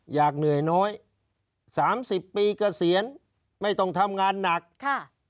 อยากเหนื่อยน้อย๓๐ปีเกษียณไม่ต้องทำงานหนัก